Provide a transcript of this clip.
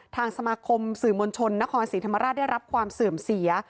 ทางสมาคมสื่อมวลชนนครศรีธรรมราชได้รับความเสื่อมเสีย